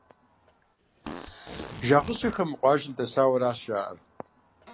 Жагъыщэхэ мы къуажэм дэсауэ аращ жаӀэр.